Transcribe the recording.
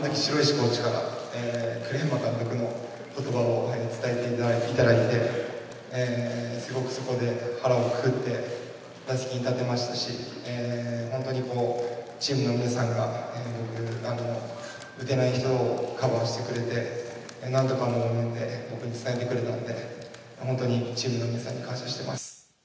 コーチから、栗山監督のことばを伝えていただいて、すごくそこで腹をくくって、打席に立てましたし、本当にこう、チームの皆さんが打てない日をカバーしてくれて、なんとかみんなで僕に伝えてくれたので、本当にチームの皆さんに感謝してます。